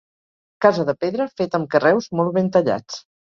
Casa de pedra, feta amb carreus molt ben tallats.